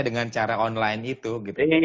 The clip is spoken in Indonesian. dengan cara online itu gitu ya